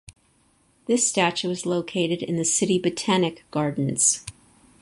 This statue is located in the City Botanic Gardens.